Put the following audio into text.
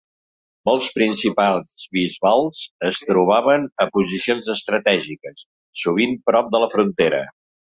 Molts principats bisbals es trobaven a posicions estratègiques, sovint prop de la frontera.